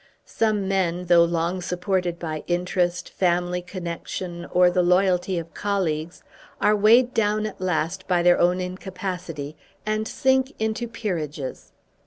Some men, though long supported by interest, family connection, or the loyalty of colleagues, are weighed down at last by their own incapacity and sink into peerages.